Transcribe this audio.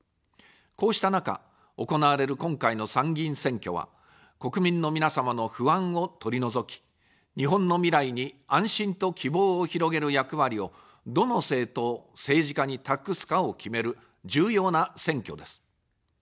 こうした中、行われる今回の参議院選挙は、国民の皆様の不安を取り除き、日本の未来に安心と希望を広げる役割を、どの政党、政治家に託すかを決める重要な選挙です。